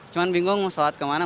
cuman bingung mau solat kemana